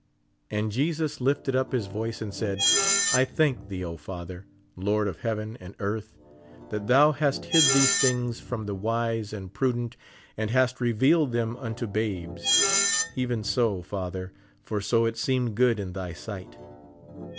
"And Jesus lifted up his voice and said, I thank thee, O Father, Lord of heaven and earth, that thou hast hid these things from the wise and prudent and hast revealed them unto babes : even so, Father, for so it seemed good in thy sight.